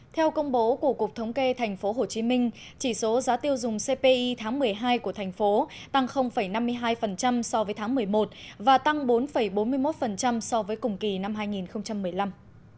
theo công bố của cục thống kê tp hcm chỉ số giá tiêu dùng cpi tháng một mươi hai của thành phố tăng năm mươi hai so với tháng một mươi một và tăng bốn bốn mươi một so với cùng kỳ năm hai nghìn một mươi năm